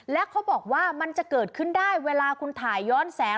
และเขาบอกว่ามันจะเกิดขึ้นได้เวลาคุณถ่ายย้อนแสง